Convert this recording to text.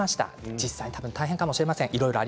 実際、大変かもしれません。